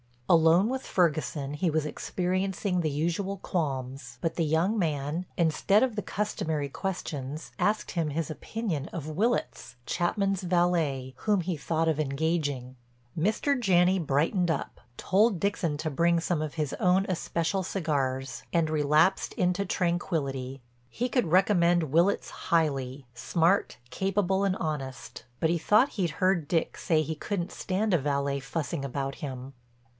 Alone with Ferguson he was experiencing the usual qualms, but the young man, instead of the customary questions, asked him his opinion of Willitts, Chapman's valet, whom he thought of engaging. Mr. Janney brightened up, told Dixon to bring some of his own especial cigars, and relapsed into tranquillity. He could recommend Willitts highly, smart, capable and honest, but he thought he'd heard Dick say he couldn't stand a valet fussing about him.